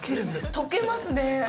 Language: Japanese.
溶けますね。